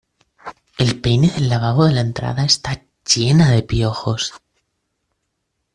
El peine del lavabo de la entrada está llena de piojos.